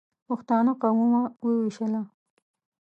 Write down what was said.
پښتانه قومونه ووېشله.